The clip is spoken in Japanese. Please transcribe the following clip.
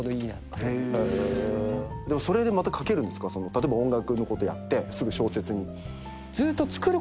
例えば音楽のことやってすぐ小説に。